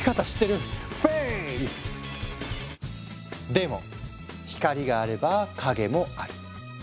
でも光があれば影もある。